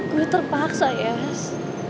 gue terpaksa yas